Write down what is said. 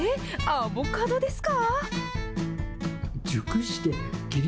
アボカドですか？